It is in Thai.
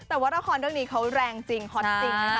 แต่ว่าละครเรื่องนี้เขาแรงจริงฮอตจริงนะคะ